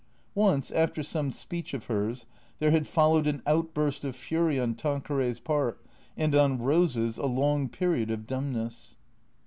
Once, after some speech of hers, there had followed an out burst of fury on Tanqueray's part and on Eose's a long period of dumbness.